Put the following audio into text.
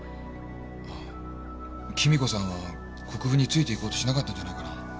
あぁ貴美子さんは国府についていこうとしなかったんじゃないかな。